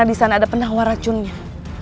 di sana ada penawar racunnya